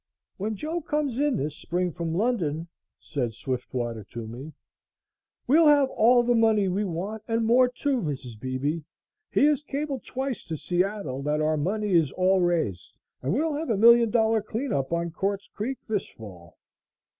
"When Joe comes in this spring from London," said Swiftwater to me, "we'll have all the money we want and more, too, Mrs. Beebe. He has cabled twice to Seattle that our money is all raised and we will have a million dollar clean up on Quartz Creek this fall."